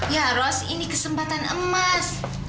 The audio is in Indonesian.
ya ros ini kesempatan emas